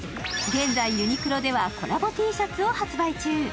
現在、ユニクロではコラボＴシャツを発売中。